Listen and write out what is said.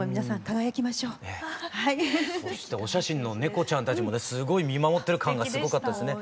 そしてお写真の猫ちゃんたちもねすごい見守ってる感がすごかったですね。